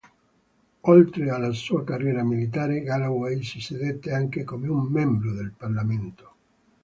Oltre alla sua carriera militare, Galloway si sedette anche come un membro del Parlamento.